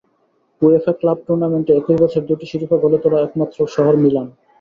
UEFA club টুর্নামেন্টে একই বছরে দুটো শিরোপা ঘরে তোলা একমাত্র শহর মিলান।